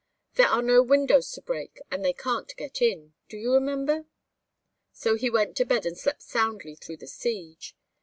'There are no windows to break, and they can't get in' do you remember? So he went to bed and slept soundly through the siege.